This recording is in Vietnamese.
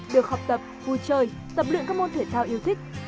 được học tập vui chơi tập luyện các môn thể thao yêu thích